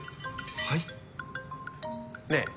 はい？ねぇ？